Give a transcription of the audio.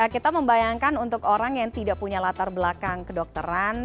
kita membayangkan untuk orang yang tidak punya latar belakang kedokteran